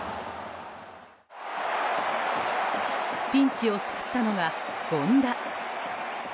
ピンチを救ったのが権田。